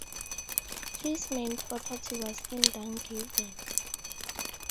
His main property was in Dungiven.